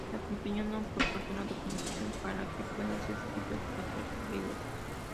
La compañía no proporciona documentación para que puedan ser escritos otros drivers.